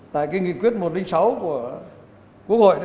tại cái nghị quyết một trăm linh sáu của quốc hội